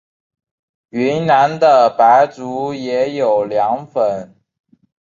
云南的白族也有凉粉。